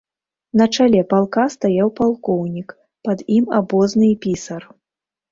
На чале палка стаяў палкоўнік, пад ім абозны і пісар.